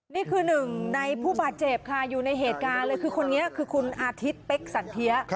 นี่คือหนึ่งในผู้บาดเจ็บค่ะอยู่ในเหตุการณ์เลยคือคนนี้คือคุณอาทิตย์เป๊กสันเทีย